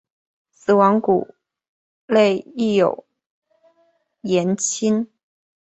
死亡谷内亦有盐磐。